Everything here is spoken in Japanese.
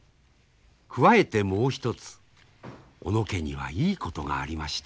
加えてもう一つ小野家にはいいことがありました。